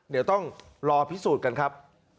เดี๋ยวต้องรอพิสูจน์กันครับ